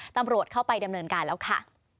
ตำรวจเข้าไปดำเนินการแล้วค่ะ